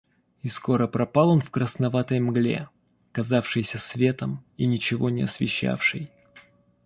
И скоро пропал он в красноватой мгле, казавшейся светом и ничего не освещавшей.